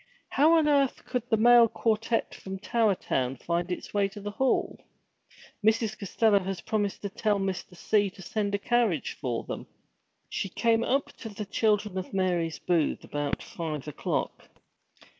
How on earth could the Male Quartette from Tower Town find its way to the hall? Mrs. Costello had promised to tell Mr. C. to send a carriage for them. She came up to the Children of Mary's booth about five o'clock.